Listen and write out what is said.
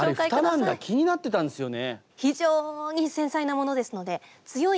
気になってたんですよね。